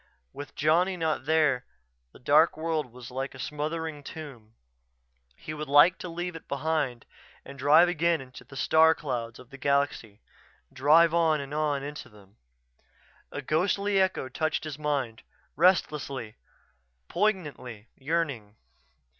With Johnny not there the dark world was like a smothering tomb. He would like to leave it behind and drive again into the star clouds of the galaxy; drive on and on into them A ghostly echo touched his mind; restless, poignantly yearning.